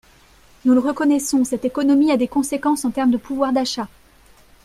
Nous le reconnaissons, cette économie a des conséquences en termes de pouvoir d’achat.